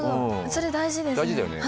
それ大事ですね。